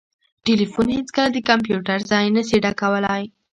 ټلیفون هیڅکله د کمپیوټر ځای نسي ډکولای